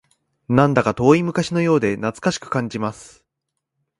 なんだか遠い昔のようで懐かしく感じます